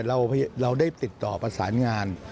พักก้าวกลายเราได้ติดต่อประสานงาน